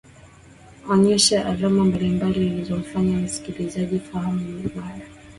onyesha alama mbalimbali zinzomfanya msikilizaji kufahamu mada